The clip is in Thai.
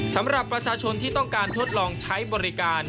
สำหรับประชาชนที่ต้องการทดลองใช้บริการ